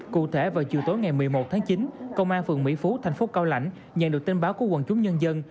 cụ thể vào chiều tối ngày một mươi một tháng chín công an phường mỹ phú thành phố cao lãnh nhận được tin báo của quần chúng nhân dân